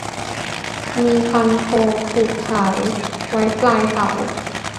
มีคันโพง ผูกสาย ไว้ปลายเสา